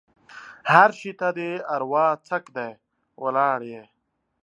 هر شي ته دې اروا څک دی؛ ولاړ يې.